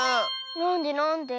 なんでなんで？